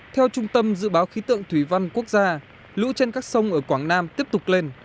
theo trung tâm dự báo khí tượng thủy văn quốc gia lũ trên các sông ở quảng nam tiếp tục lên